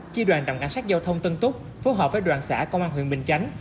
chi đoàn trạm cảnh sát giao thông tân túc phối hợp với đoàn xã công an huyện bình chánh